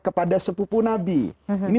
kepada sepupu nabi ini